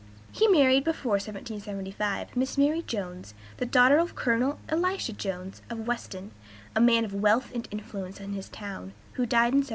He married before 1775, Miss Mary Jones, the daughter of Col. Elisha Jones, of Weston, a man of wealth and influence in his town, who died in 1776.